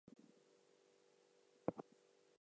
The Carrs had two sons.